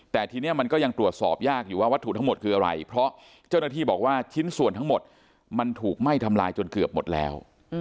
แต่ทีนี้มันก็ยังตรวจสอบยากอยู่ว่าวัตถุทั้งหมดคืออะไรเพราะเจ้าหน้าที่บอกว่าชิ้นส่วนทั้งหมดมันถูกไหม้ทำลายจนเกือบหมดแล้ว